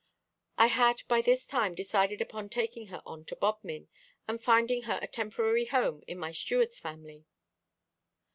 I had by this time decided upon taking her on to Bodmin, and finding her a temporary home in my steward's family.